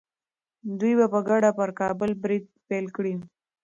دوی به په ګډه پر کابل برید پیل کړي.